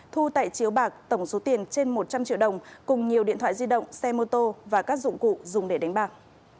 thu tại chiếu bạc tổng số tiền trên một trăm linh triệu đồng cùng nhiều điện thoại di động xe mô tô và các dụng cụ dùng để đánh bạc